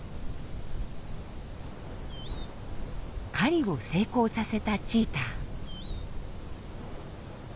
狩りを成功させたチーター。